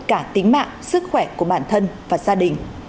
cả tính mạng sức khỏe của bản thân và gia đình